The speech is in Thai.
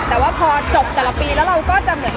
นั่นแหละเป็นปีที่๗แล้วโน้ไม่น่าเชื่อเนาะ